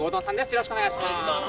よろしくお願いします。